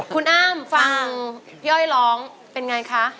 คุณอ้างฟังพี่เอาไอ้ร้องเป็นอย่างไรคะ